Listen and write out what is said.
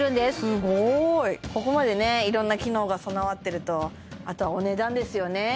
すごいここまでねいろんな機能が備わっているとあとはお値段ですよね